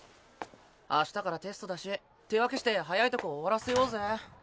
明日からテストだし手分けして早いとこ終わらせようぜ。